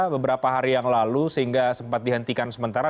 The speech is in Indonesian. beberapa hari yang lalu sehingga sempat dihentikan sementara